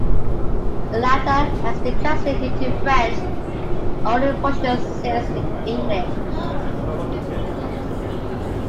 The latter has been translated into French; only portions exist in English.